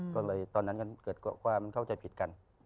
ก็เลยตอนนั้นก็เกิดความเข้าใจผิดกัน